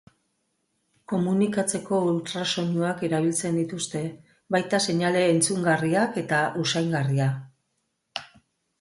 Komunikatzeko ultrasoinuak erabiltzen dituzte, baita seinale entzungarriak eta usaingarria.